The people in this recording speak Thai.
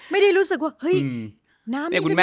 ไม่ได้รู้สึกว่าน้ำมันจะมีคุณลงไป